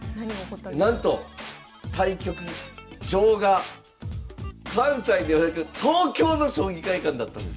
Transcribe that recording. なんと対局場が関西ではなく東京の将棋会館だったんです。